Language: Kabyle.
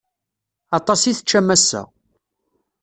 Aṭas i teččam ass-a.